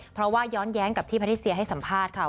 เพราะว่าย้อนแย้งกับที่แพทิเซียให้สัมภาษณ์ค่ะ